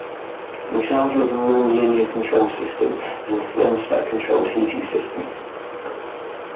An example of a nonlinear control system is a thermostat-controlled heating system.